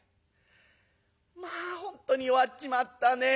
まあ本当に弱っちまったねえ。